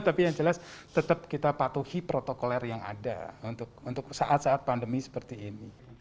tapi yang jelas tetap kita patuhi protokol air yang ada untuk saat saat pandemi seperti ini